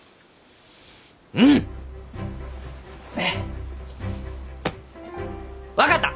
うん！分かった！